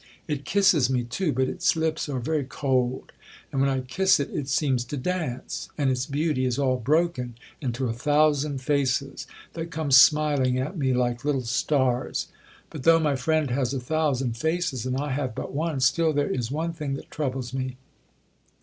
It kisses me too, but its lips are very cold; and when I kiss it, it seems to dance, and its beauty is all broken into a thousand faces, that come smiling at me like little stars. But, though my friend has a thousand faces, and I have but one, still there is one thing that troubles me.